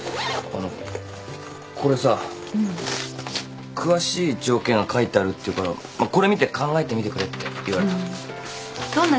あのこれさ詳しい条件が書いてあるっていうからまあこれ見て考えてみてくれって言われた。